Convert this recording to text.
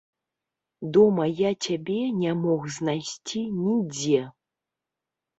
Дома я цябе не мог знайсці нідзе.